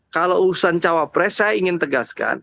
kalau urusan cawapres saya ingin tegaskan